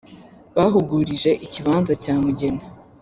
bahugurije ikibanza cya mugeni